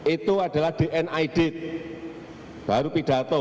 itu adalah dnid baru pidato